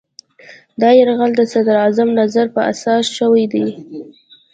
دا یرغل د صدراعظم نظر په اساس شوی دی.